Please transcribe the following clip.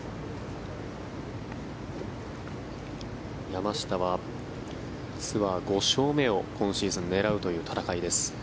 山下はツアー５勝目を今シーズン狙うという戦いです。